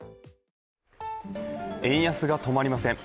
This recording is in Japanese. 円安が止まりません。